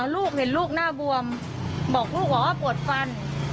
ลูกเห็นลูกหน้าบวมบอกลูกบอกว่าปวดฟัน